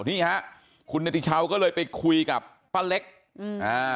นี่ฮะคุณเนติชาวก็เลยไปคุยกับป้าเล็กอืมอ่า